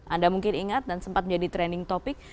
anda mungkin ingat dan sempat menjadi trending topic